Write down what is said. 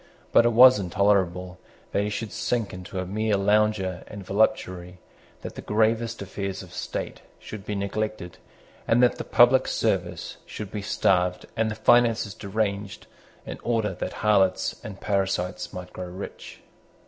But it was intolerable that he should sink into a mere lounger and voluptuary, that the gravest affairs of state should be neglected, and that the public service should be starved and the finances deranged in order that harlots and parasites might grow rich.